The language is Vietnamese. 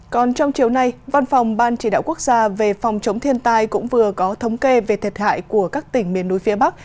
còn trong chiều nay văn phòng ban chỉ đạo quốc gia về phòng chống thiên tai cũng vừa có thống kê về thiệt hại của các tỉnh miền núi phía bắc